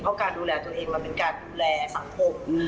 เพราะการดูแลตัวเองมันเป็นการดูแลสังคม